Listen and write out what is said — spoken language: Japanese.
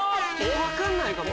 分かんないかも。